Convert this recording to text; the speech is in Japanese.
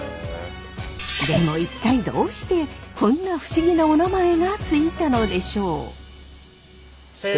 でも一体どうしてこんな不思議なおなまえが付いたのでしょう？